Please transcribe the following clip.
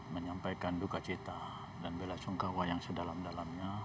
menyampaikan dukacita dan bela sungkawa yang sedalam dalamnya